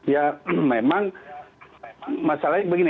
ya memang masalahnya begini